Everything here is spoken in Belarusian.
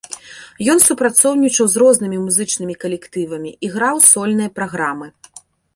Ён супрацоўнічаў з рознымі музычнымі калектывамі і граў сольныя праграмы.